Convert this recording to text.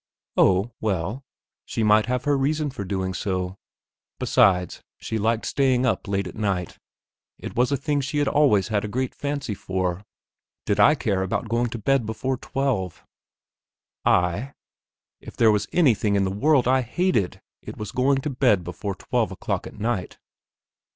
Oh, well, she might have her reason for doing so; besides, she liked staying up late at night; it was a thing she had always had a great fancy for. Did I care about going to bed before twelve? I? If there was anything in the world I hated it was to go to bed before twelve o'clock at night.